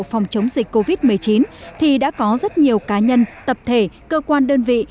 phòng chống dịch covid một mươi chín thì đã có rất nhiều cá nhân tập thể cơ quan đơn vị